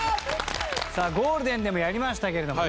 さあゴールデンでもやりましたけれどもね